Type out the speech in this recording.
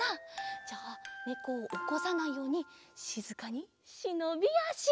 じゃあねこをおこさないようにしずかにしのびあし。